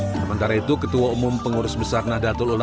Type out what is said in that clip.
sementara itu ketua umum pengurus besar nahdlatul ulama yahya kholil setakuf